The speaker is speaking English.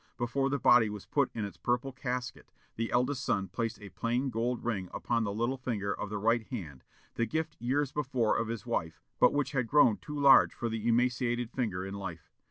Before the body was put in its purple casket, the eldest son placed a plain gold ring upon the little finger of the right hand, the gift years before of his wife, but which had grown too large for the emaciated finger in life.